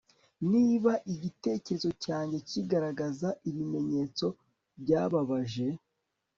niba igitekerezo cyanjye kigaragaza ibimenyetso byababaje